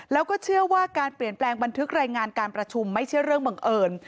แล้วก็เชื่อว่าการเปลี่ยนแปลงบันทึกรายงานการประชุมไม่ใช่เรื่องบังเอิญ